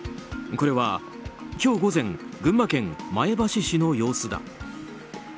これは今日午前群馬県前橋市の様子だ。